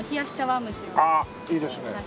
ああいいですね。